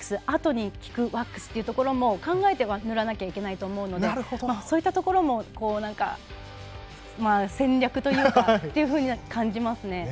あとに効くワックスというのも考えて塗らなきゃいけないと思うのでそういったところも戦略と感じますね。